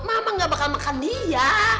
mama gak bakal makan dia